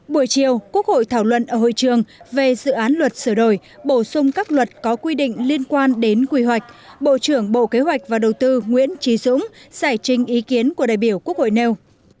buổi chiều quốc hội thảo luận ở hội trường về dự án luật sửa đổi bổ sung các luật có quy định liên quan đến quy hoạch bộ trưởng bộ kế hoạch và đầu tư nguyễn trí dũng giải trình ý kiến của đại biểu quốc hội nêu